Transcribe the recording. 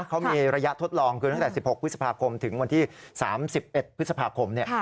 เขามีระยะทดลองคือตั้งแต่๑๖พฤษภาคมถึงวันที่๓๑พฤษภาคม